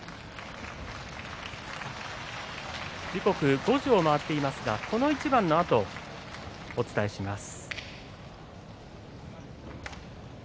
時刻は５時をまわっていますがこの一番のあとお伝えします。